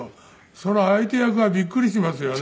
そりゃ相手役はびっくりしますよね。